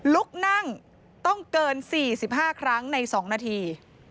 ลุกนั่งต้องเกิน๔๕ครั้งใน๒นาที